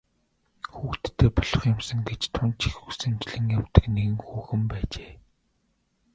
Хүүхэдтэй болох юмсан гэж тун ч их хүсэмжлэн явдаг нэгэн хүүхэн байжээ.